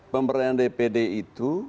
pemberdayaan dpd itu